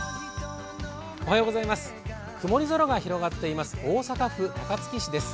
曇り空が広がっています大阪府高槻市です。